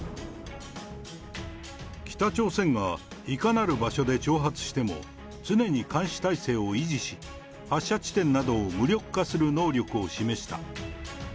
北朝鮮がいかなる場所で挑発しても、常に監視体制を維持し、発射地点などを無力化する能力を示した。